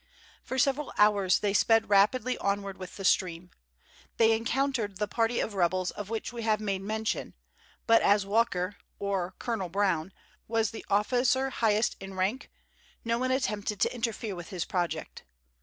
For several hours they sped rapidly onward with the stream. They encountered the party of rebels of which we have made mention, but, as Walker, or Colonel Brown, was the officer highest in rank, no one attempted to interfere with his project.